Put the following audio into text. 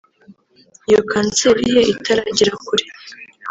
iyo kanseri ye itaragera kure